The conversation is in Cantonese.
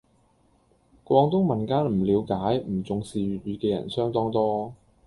廣東民間唔了解、唔重視粵語嘅人相當多